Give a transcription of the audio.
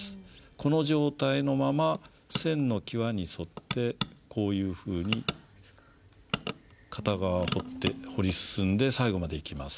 この状態のまま線の際に沿ってこういうふうに片側彫って彫り進んで最後までいきます。